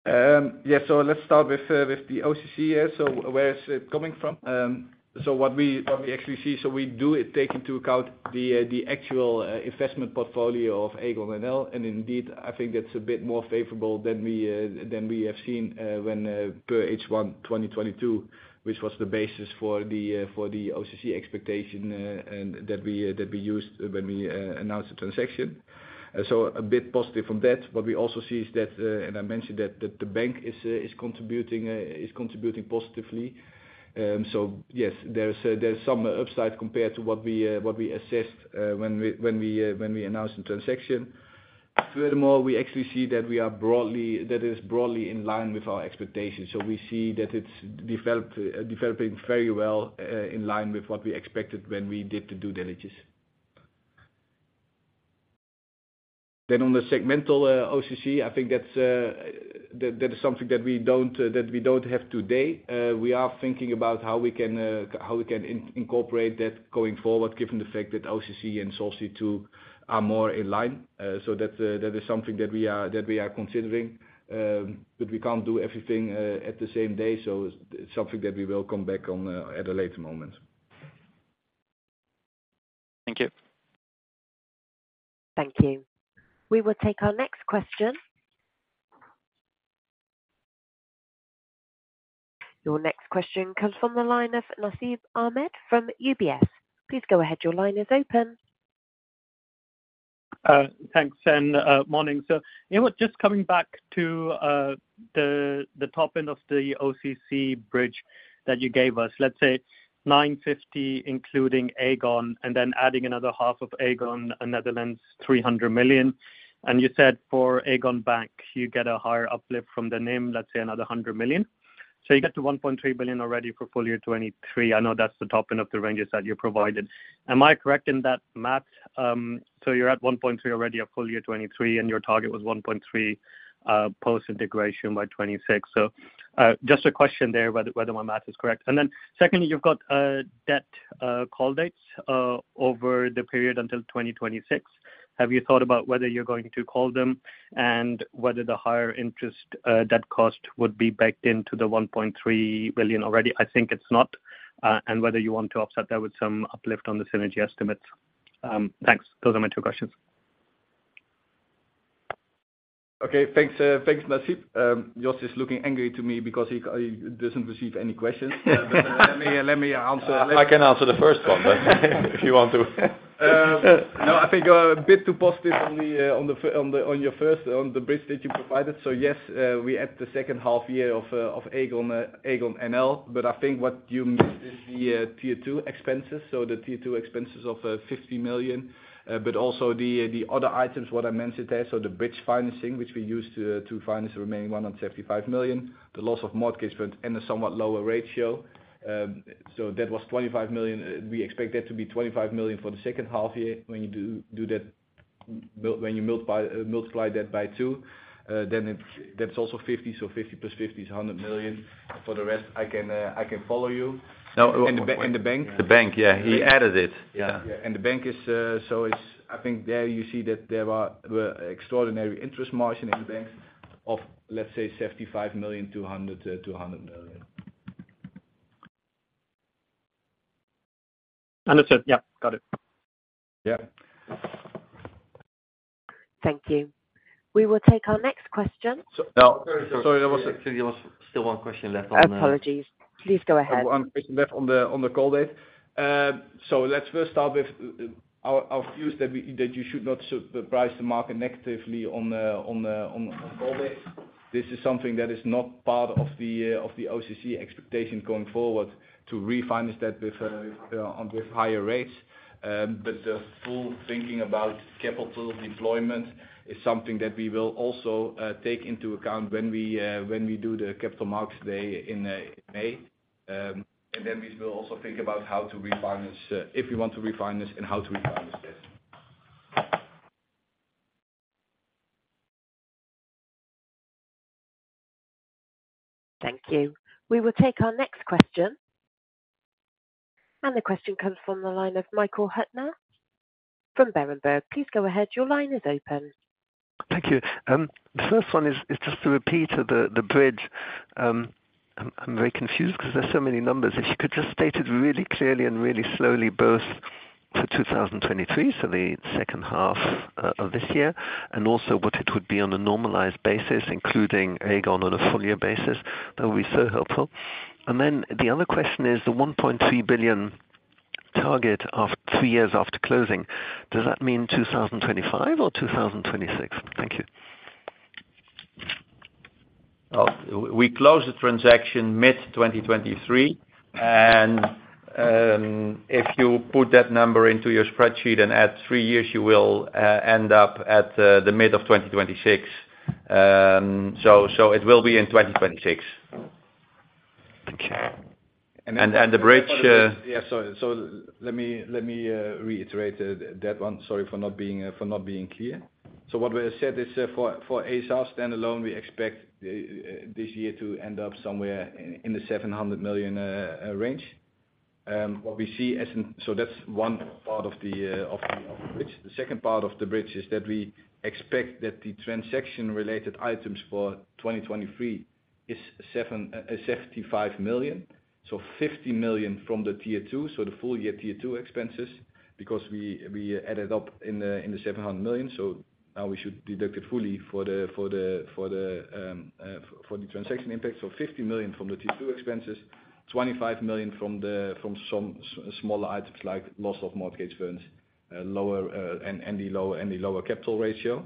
Speaker 4: Yeah, so let's start with the OCC here. So where is it coming from? So what we actually see, so we do take into account the actual investment portfolio of Aegon NL, and indeed, I think that's a bit more favorable than we have seen when per H1 2022, which was the basis for the OCC expectation, and that we used when we announced the transaction. So a bit positive from that. What we also see is that, and I mentioned that, the bank is contributing positively. So yes, there's some upside compared to what we assessed when we announced the transaction. Furthermore, we actually see that we are broadly—that is broadly in line with our expectations, so we see that it's developed, developing very well, in line with what we expected when we did the due diligence. Then on the segmental OCC, I think that's something that we don't have today. We are thinking about how we can incorporate that going forward, given the fact that OCC and SOC2 are more in line. So that is something that we are considering, but we can't do everything at the same day, so it's something that we will come back on at a later moment.
Speaker 7: Thank you.
Speaker 1: Thank you. We will take our next question. Your next question comes from the line of Nasib Ahmed from UBS. Please go ahead. Your line is open.
Speaker 8: Thanks, and morning. So you know what, just coming back to the top end of the OCC bridge that you gave us, let's say 950 million, including Aegon, and then adding another half of Aegon Netherlands, 300 million. And you said for Aegon Bank, you get a higher uplift from the NIM, let's say another 100 million. So you get to 1.3 billion already for full year 2023. I know that's the top end of the ranges that you provided. Am I correct in that math? So you're at 1.3 billion already of full year 2023, and your target was 1.3 billion post-integration by 2026. So just a question there, whether my math is correct. And then secondly, you've got debt call dates over the period until 2026. Have you thought about whether you're going to call them, and whether the higher interest, debt cost would be baked into the 1.3 billion already? I think it's not. And whether you want to offset that with some uplift on the synergy estimates. Thanks. Those are my two questions.
Speaker 4: Okay. Thanks, thanks, Nasib. Jos is looking angry to me because he doesn't receive any questions. Let me answer-
Speaker 3: I can answer the first one, but if you want to.
Speaker 4: No, I think a bit too positive on the first, on the bridge that you provided. So yes, we at the second half year of Aegon, Aegon NL, but I think what you missed is the Tier 2 expenses, so the Tier 2 expenses of 50 million, but also the other items, what I mentioned there, so the bridge financing, which we used to finance the remaining 175 million, the loss of mortgage and the somewhat lower ratio. So that was 25 million. We expect that to be 25 million for the second half year. When you do that, when you multiply that by two, then it's, that's also 50. So 50 plus 50 is 100 million. For the rest, I can, I can follow you.
Speaker 3: No.
Speaker 4: In the bank,
Speaker 3: The bank, yeah. He added it.
Speaker 4: Yeah, yeah. And the bank is, so it's, I think there you see that there were extraordinary interest margin in bank of, let's say, 75 million-100 million.
Speaker 8: Understood. Yep, got it.
Speaker 4: Yeah.
Speaker 1: Thank you. We will take our next question.
Speaker 3: No, sorry, there was still one question left on the-
Speaker 1: Apologies. Please go ahead.
Speaker 4: One question left on the call date. So let's first start with our, our views that we, that you should not surprise the market negatively on the call date. This is something that is not part of the OCC expectation going forward, to refinance that with higher rates. But the full thinking about capital deployment is something that we will also take into account when we do the Capital Markets Day in May. And then we will also think about how to refinance, if we want to refinance and how to refinance this.
Speaker 1: Thank you. We will take our next question. The question comes from the line of Michael Huttner from Berenberg. Please go ahead. Your line is open.
Speaker 9: Thank you. The first one is just a repeat of the bridge. I'm very confused because there's so many numbers. If you could just state it really clearly and really slowly, both to 2023, so the second half of this year, and also what it would be on a normalized basis, including Aegon on a full year basis, that would be so helpful. And then the other question is the 1.3 billion target of three years after closing. Does that mean 2025 or 2026? Thank you.
Speaker 4: We closed the transaction mid-2023, and-...
Speaker 3: if you put that number into your spreadsheet and add three years, you will end up at the mid of 2026. So it will be in 2026.
Speaker 9: Okay.
Speaker 3: And the bridge
Speaker 4: Yeah, so, so let me, let me reiterate, that one. Sorry for not being, for not being clear. So what we said is, for, for a.s.r. standalone, we expect, this year to end up somewhere in, in the 700 million range. What we see as in-- so that's one part of the, of the, of the bridge. The second part of the bridge is that we expect that the transaction-related items for 2023 is 75 million, so 50 million from the Tier 2, so the full year Tier 2 expenses, because we, we added up in the, in the 700 million. So now we should deduct it fully for the, for the, for the, for the transaction impact. So 50 million from the Tier 2 expenses, 25 million from some smaller items like loss of mortgage fees, lower and the lower capital ratio.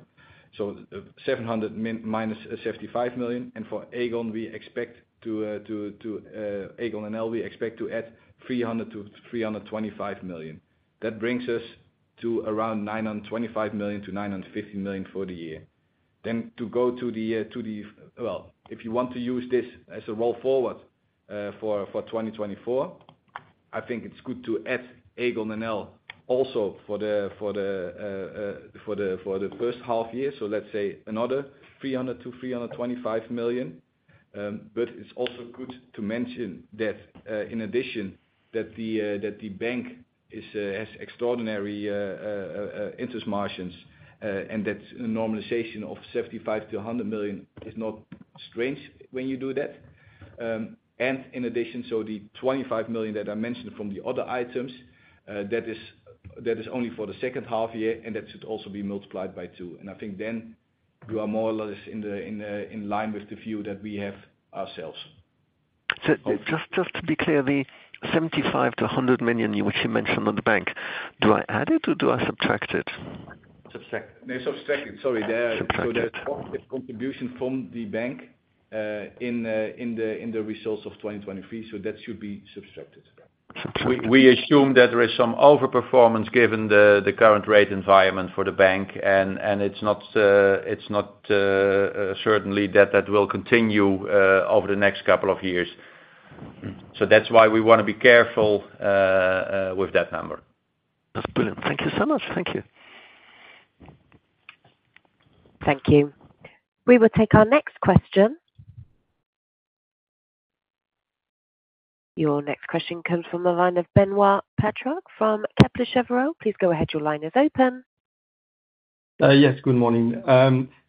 Speaker 4: So 700 million minus 75 million. And for Aegon NL, we expect to add 300 million-325 million. That brings us to around 925 million-950 million for the year. Then to go to the... Well, if you want to use this as a roll forward, for 2024, I think it's good to add Aegon NL also for the first half year. So let's say another 300 million-325 million. But it's also good to mention that, in addition, that the bank has extraordinary interest margins, and that's a normalization of 75 million-100 million is not strange when you do that. And in addition, so the 25 million that I mentioned from the other items, that is only for the second half year, and that should also be multiplied by two. And I think then you are more or less in line with the view that we have ourselves.
Speaker 9: So just, just to be clear, the 75 million-100 million, which you mentioned on the bank, do I add it or do I subtract it?
Speaker 4: Subtract.
Speaker 3: No, subtract it. Sorry.
Speaker 9: Subtract it.
Speaker 3: So the contribution from the bank in the results of 2023, so that should be subtracted.
Speaker 9: Subtracted.
Speaker 3: We assume that there is some overperformance, given the current rate environment for the bank, and it's not certain that that will continue over the next couple of years. So that's why we wanna be careful with that number.
Speaker 9: That's brilliant. Thank you so much. Thank you.
Speaker 1: Thank you. We will take our next question. Your next question comes from the line of Benoit Pétrarque from Kepler Cheuvreux. Please go ahead. Your line is open.
Speaker 10: Yes, good morning.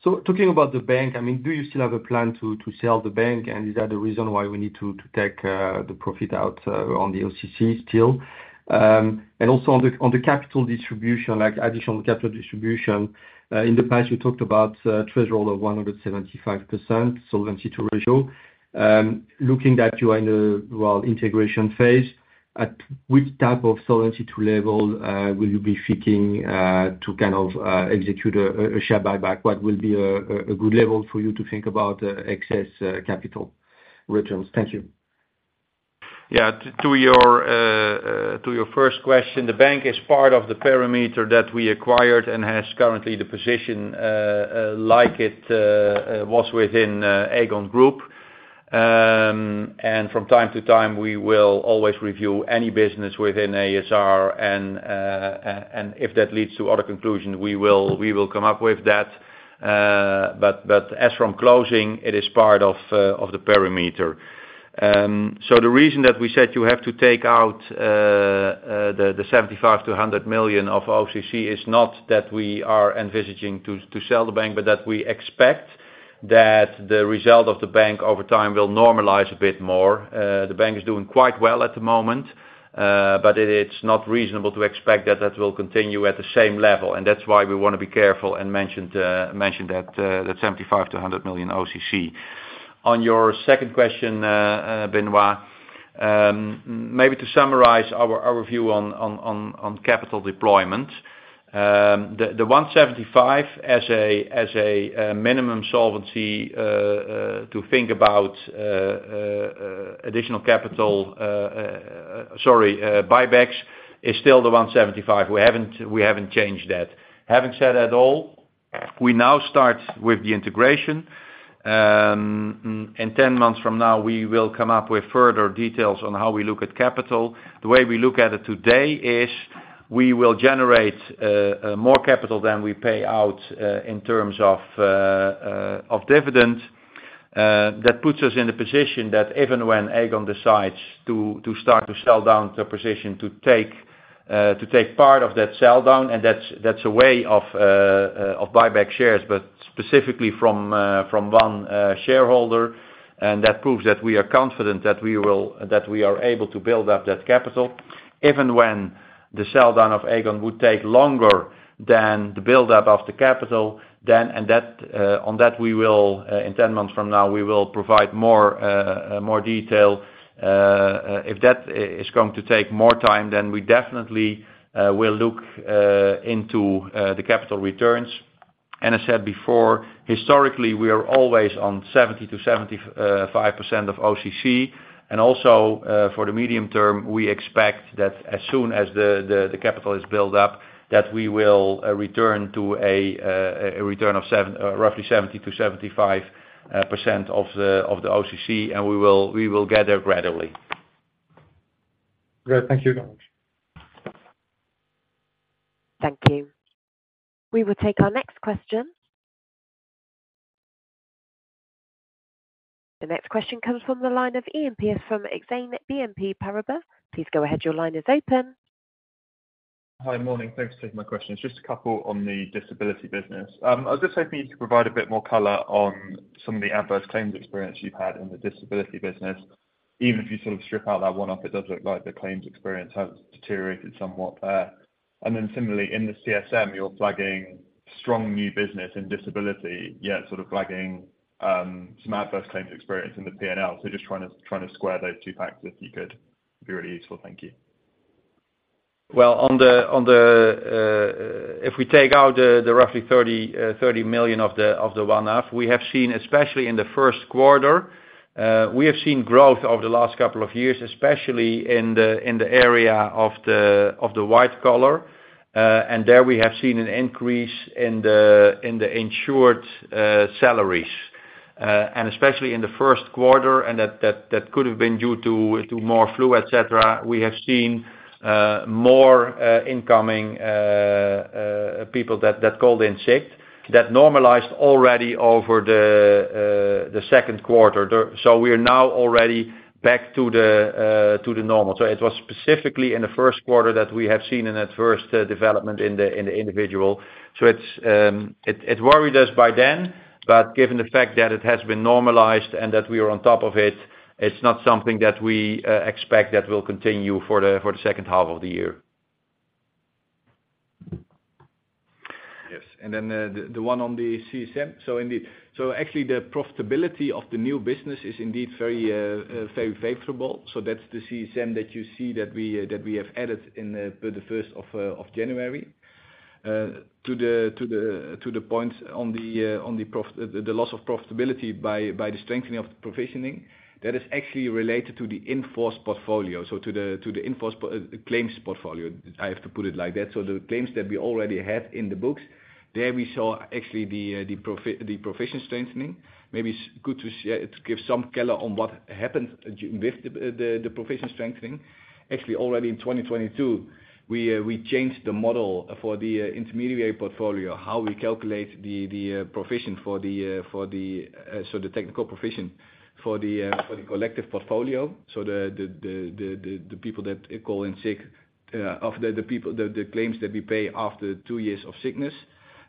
Speaker 10: So talking about the bank, I mean, do you still have a plan to sell the bank? And is that the reason why we need to take the profit out on the OCC still? And also on the capital distribution, like additional capital distribution, in the past, you talked about target of 175% Solvency II ratio. Given that you are in a well integration phase, at which type of Solvency II level will you be thinking to kind of execute a share buyback? What will be a good level for you to think about excess capital returns? Thank you.
Speaker 3: Yeah. To your first question, the bank is part of the parameter that we acquired and has currently the position like it was within Aegon Group. And from time to time, we will always review any business within ASR, and if that leads to other conclusion, we will come up with that. But as from closing, it is part of the parameter. So the reason that we said you have to take out the 75 million-100 million of OCC is not that we are envisaging to sell the bank, but that we expect that the result of the bank over time will normalize a bit more. The bank is doing quite well at the moment, but it's not reasonable to expect that that will continue at the same level, and that's why we wanna be careful and mention that the 75-100 million OCC. On your second question, Benoit, maybe to summarize our view on capital deployment, the 175 as a minimum solvency to think about additional capital, sorry, buybacks, is still the 175. We haven't changed that. Having said that all, we now start with the integration. In 10 months from now, we will come up with further details on how we look at capital. The way we look at it today is we will generate more capital than we pay out in terms of dividend. That puts us in a position that even when Aegon decides to start to sell down the position, to take part of that sell down, and that's a way of buyback shares, but specifically from one shareholder. That proves that we are confident that we are able to build up that capital, even when the sell down of Aegon would take longer than the buildup of the capital, then, and that, on that, we will in ten months from now, we will provide more detail. If that is going to take more time, then we definitely will look into the capital returns. And I said before, historically, we are always on 70%-75% of OCC, and also, for the medium term, we expect that as soon as the capital is built up, that we will return to a return of roughly 70%-75% of the OCC, and we will get there gradually.
Speaker 4: Great. Thank you very much.
Speaker 1: Thank you. We will take our next question. The next question comes from the line of Iain Pearce from Exane BNP Paribas. Please go ahead. Your line is open.
Speaker 11: Hi. Morning. Thanks for taking my question. It's just a couple on the disability business. I was just hoping you could provide a bit more color on some of the adverse claims experience you've had in the disability business. Even if you sort of strip out that one-off, it does look like the claims experience has deteriorated somewhat there. And then similarly, in the CSM, you're flagging strong new business in disability, yet sort of flagging some adverse claims experience in the P&L. So just trying to, trying to square those two facts, if you could. Be really useful. Thank you.
Speaker 3: Well, on the if we take out the roughly 30 million of the one-off, we have seen, especially in the first quarter, we have seen growth over the last couple of years, especially in the area of the white collar. And there we have seen an increase in the insured salaries. And especially in the first quarter, and that could have been due to more flu, et cetera. We have seen more incoming people that called in sick, that normalized already over the second quarter. So we are now already back to the normal. So it was specifically in the first quarter that we have seen an adverse development in the individual. So it's worried us by then, but given the fact that it has been normalized and that we are on top of it, it's not something that we expect that will continue for the second half of the year.
Speaker 4: Yes, and then, the one on the CSM. So indeed. So actually, the profitability of the new business is indeed very, very favorable. So that's the CSM that you see, that we, that we have added in the, for the first of, of January. To the point on the loss of profitability by the strengthening of the provisioning, that is actually related to the in-force portfolio. So to the in-force claims portfolio. I have to put it like that. So the claims that we already had in the books, there we saw actually the provision strengthening. Maybe it's good to give some color on what happened during with the provision strengthening. Actually, already in 2022, we changed the model for the intermediary portfolio, how we calculate the provision for the... So the technical provision for the collective portfolio. So the people that call in sick, of the people, the claims that we pay after two years of sickness,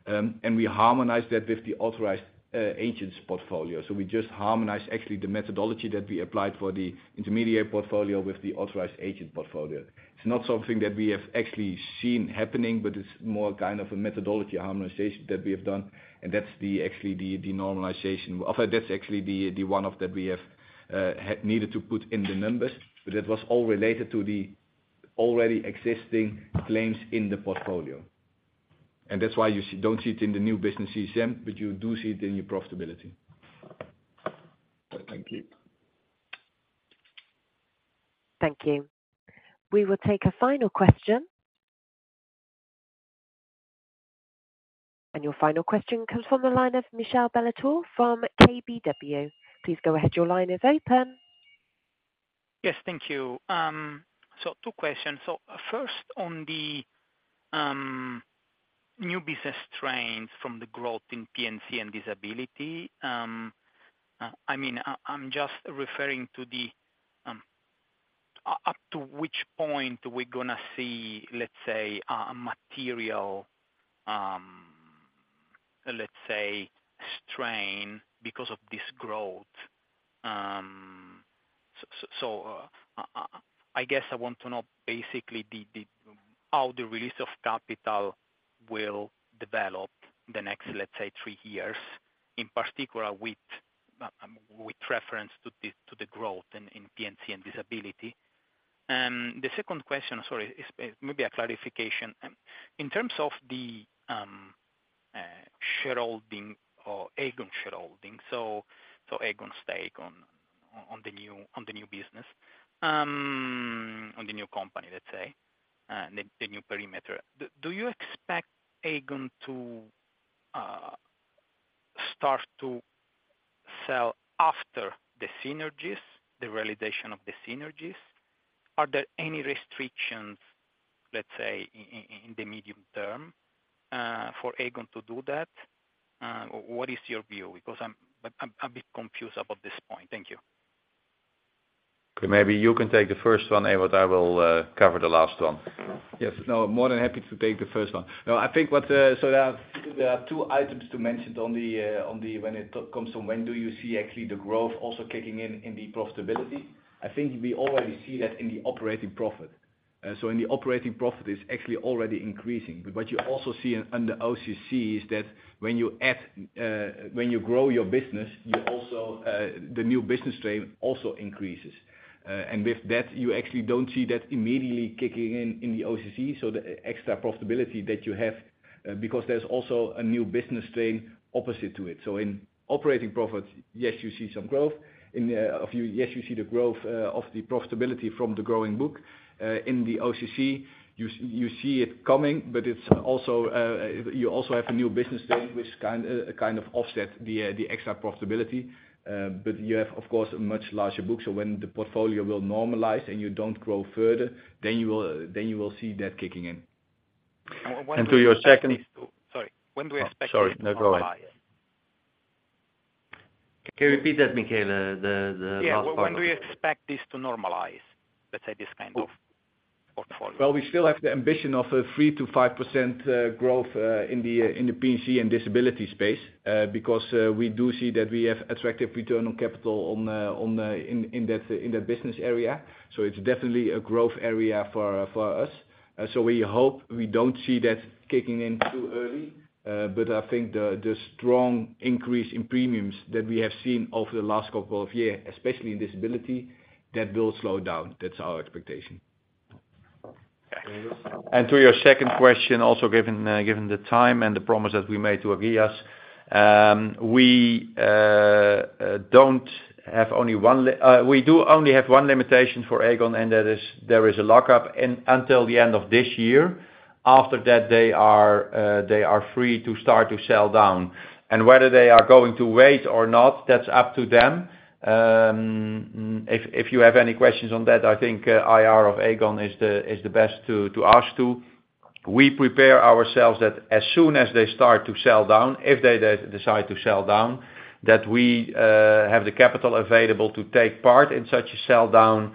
Speaker 4: and we harmonize that with the authorized agents portfolio. So we just harmonize actually the methodology that we applied for the intermediary portfolio with the authorized agent portfolio. It's not something that we have actually seen happening, but it's more kind of a methodology harmonization that we have done, and that's actually the normalization. Although, that's actually the one-off that we have had needed to put in the numbers, but that was all related to the already existing claims in the portfolio. And that's why you don't see it in the new business CSM, but you do see it in your profitability. Thank you.
Speaker 1: Thank you. We will take a final question. Your final question comes from the line of Michele Ballatore from KBW. Please go ahead. Your line is open.
Speaker 12: Yes, thank you. So two questions. So first, on the new business trends from the growth in P&C and disability, I mean, I'm just referring to the up to which point are we gonna see, let's say, material, let's say strain because of this growth? So, I guess I want to know basically the, the, how the release of capital will develop the next, let's say, three years, in particular with reference to the, to the growth in, in P&C and disability. The second question, sorry, is maybe a clarification. In terms of the shareholding or Aegon shareholding, so, Aegon stake on, on the new, on the new business, on the new company, let's say, the, the new perimeter. Do you expect Aegon to start to sell after the synergies, the validation of the synergies? Are there any restrictions, let's say, in the medium term, for Aegon to do that? What is your view? Because I'm a bit confused about this point. Thank you.
Speaker 3: Okay, maybe you can take the first one, Ewout. I will cover the last one.
Speaker 4: Yes. No, more than happy to take the first one. No, I think what, so there are, there are two items to mention on the, on the, when it comes to when do you see actually the growth also kicking in in the profitability? I think we already see that in the operating profit. So in the operating profit, it's actually already increasing. But what you also see in, under OCC is that when you add, when you grow your business, you also, the new business strain also increases. And with that, you actually don't see that immediately kicking in in the OCC, so the extra profitability that you have... Because there's also a new business thing opposite to it. So in operating profits, yes, you see some growth. In a few—yes, you see the growth of the profitability from the growing book. In the OCC, you see it coming, but it's also, you also have a new business thing which kind of offset the extra profitability. But you have, of course, a much larger book. So when the portfolio will normalize and you don't grow further, then you will see that kicking in.
Speaker 3: And to your second-
Speaker 12: Sorry, when do we expect this to-
Speaker 3: Sorry. No, go ahead.
Speaker 12: Sorry.
Speaker 4: Can you repeat that, Michael? The last part.
Speaker 12: Yeah. When do we expect this to normalize? Let's say this kind of portfolio.
Speaker 4: Well, we still have the ambition of a 3%-5% growth in the P&C and disability space. Because we do see that we have attractive return on capital in that business area. So it's definitely a growth area for us. So we hope we don't see that kicking in too early. But I think the strong increase in premiums that we have seen over the last couple of years, especially in disability, that will slow down. That's our expectation.
Speaker 3: To your second question, also, given the time and the promise that we made to Ageas, we do only have one limitation for Aegon, and that is there is a lockup until the end of this year. After that, they are free to start to sell down. And whether they are going to wait or not, that's up to them. If you have any questions on that, I think IR of Aegon is the best to ask to. We prepare ourselves that as soon as they start to sell down, if they decide to sell down, that we have the capital available to take part in such a sell down,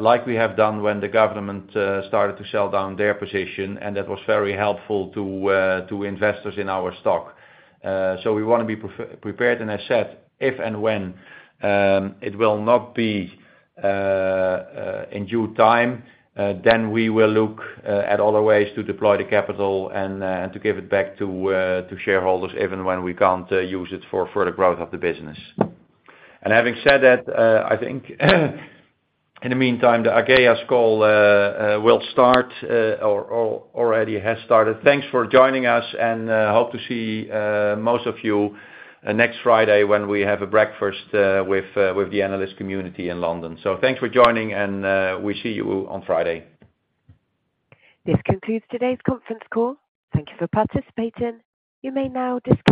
Speaker 3: like we have done when the government started to sell down their position, and that was very helpful to investors in our stock. So we wanna be prepared, and I said, if and when it will not be in due time, then we will look at other ways to deploy the capital and to give it back to shareholders, even when we can't use it for further growth of the business. Having said that, I think, in the meantime, the Ageas call will start, or already has started. Thanks for joining us, and hope to see most of you next Friday when we have a breakfast with the analyst community in London. Thanks for joining, and we see you on Friday.
Speaker 1: This concludes today's conference call. Thank you for participating. You may now disconnect.